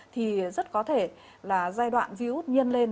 thì rất có thể là giai đoạn virus nhân lên